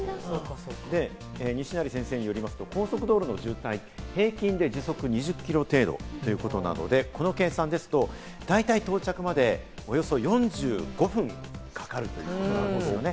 西成先生によりますと、高速道路の渋滞は平均時速２０キロ程度で進むということで、この計算ですと、大体到着までおよそ４５分かかるということなんですね。